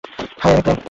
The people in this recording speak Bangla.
হাই, আমি প্রেম।